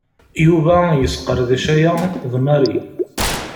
Yuba yesqerdec aya d Mary.